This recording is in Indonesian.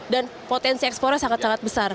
dan potensi ekspornya sangat sangat besar